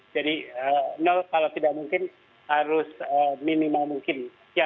jadi nol kalau tidak mungkin harus minimal mungkin